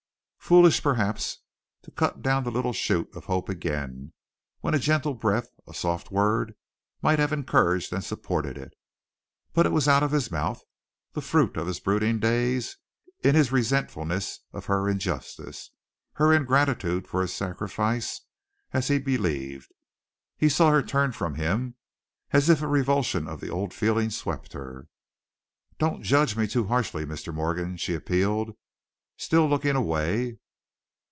Foolish, perhaps, to cut down the little shoot of hope again, when a gentle breath, a soft word, might have encouraged and supported it. But it was out of his mouth, the fruit of his brooding days, in his resentfulness of her injustice, her ingratitude for his sacrifice, as he believed. He saw her turn from him, as if a revulsion of the old feeling swept her. "Don't judge me too harshly, Mr. Morgan," she appealed, still looking away.